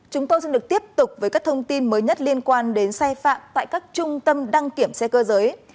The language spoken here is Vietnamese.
chúng tôi xin được tiếp tục với các thông tin mới nhất liên quan đến sai phạm tại các trung tâm đăng kiểm xe cơ giới